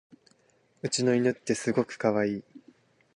うちの犬ってすごいかわいい